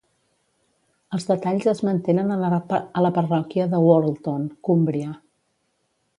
Els detalls es mantenen a la parròquia de Whorlton, Cúmbria.